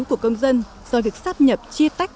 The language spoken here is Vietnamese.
của công dân do việc sáp nhập chia tách